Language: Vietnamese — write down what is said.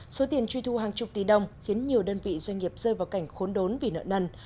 số tiền truy thu hàng chục tỷ đồng khiến nhiều đơn vị doanh nghiệp rơi vào cảnh khốn đốn vì nợ nần